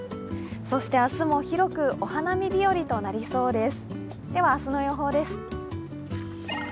そして明日も広くお花見日和となりそうです。